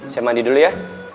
saya mandi dulu ya